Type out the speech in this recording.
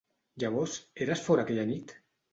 Llavors, eres fora aquella nit?